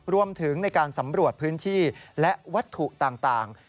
รวมถึงในการสำรวจพื้นที่และวัตถุต่าง